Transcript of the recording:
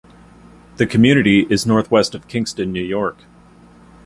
The community is northwest of Kingston, New York.